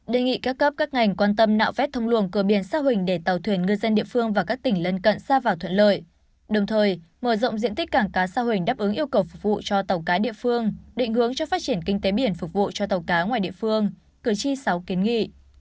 đề nghị các cấp các ngành quan tâm nạo vét thông luồng cửa biển sa huỳnh để tàu thuyền ngư dân địa phương và các tỉnh lân cận xa vào thuận lợi đồng thời mở rộng diện tích cảng cá sa huỳnh đáp ứng yêu cầu phục vụ cho tàu cá địa phương định hướng cho phát triển kinh tế biển phục vụ cho tàu cá ngoài địa phương cử tri sáu kiến nghị